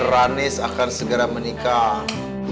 ranis akan segera menikah